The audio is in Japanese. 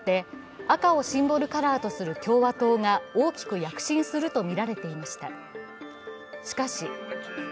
歴史的な物価高も相まって赤をシンボルカラーとする共和党が大きく躍進するとみられていました。